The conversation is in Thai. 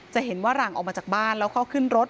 จะเห็นว่าหลังออกมาจากบ้านแล้วเขาขึ้นรถ